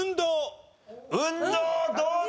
運動どうだ？